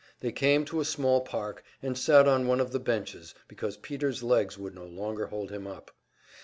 They came to a small park, and sat on one of the benches, because Peter's legs would no longer hold him up.